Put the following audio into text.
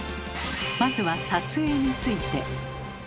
まずは「撮影」について。